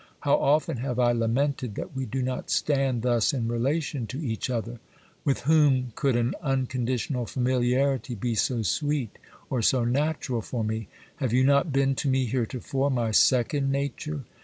How often have I lamented that we do not stand thus in relation to each other ! With whom could an unconditional familiarity be so sweet or so natural for me ? Have you not been to me heretofore my second nature